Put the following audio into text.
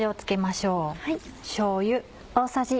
しょうゆ。